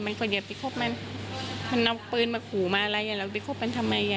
แม่บอกแบบนี้อันนี้ในมุมของแม่ผู้ตายนะคะคุณผู้ชมทีนี้ตำรวจเนี่ยก็จะมาจุดจบตรงนี้ไง